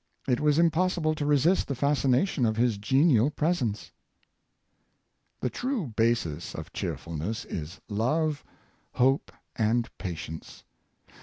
It was impossible to resist the fascina tion of his genial presence." The true basis of cheerfulness is love, hope, and pa tience.